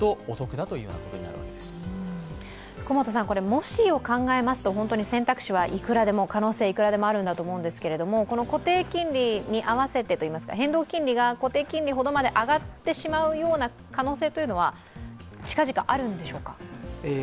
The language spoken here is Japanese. もしを考えますと選択肢はいくらでも可能性はいくらでもあるんだと思うんですけどこの固定金利に合わせて変動金利が固定金利ほど上がってしまうような可能性は近々あるんでしょうか？